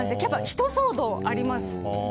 ひと騒動あります。